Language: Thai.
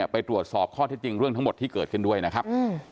ไปตรวจสอบข้อเท็จจริงเรื่องทั้งหมดที่เกิดขึ้นด้วยนะครับ